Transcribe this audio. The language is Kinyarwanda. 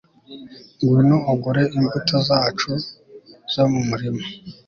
Ngwino ugure imbuto zacu zo mu murima